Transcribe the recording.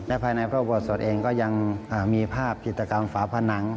และภายในพระอวัสดนั่นเองก็ยังมีภาพกิจกรรมฝาพนัง